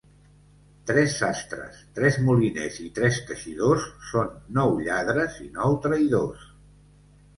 Tres sastres, tres moliners i tres teixidors són nou lladres i nou traïdors.